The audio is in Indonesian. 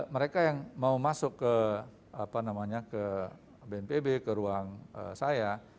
mereka yang mau masuk ke bnpb ke ruang saya